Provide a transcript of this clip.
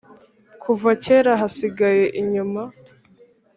kuva kera hasigaye inyuma.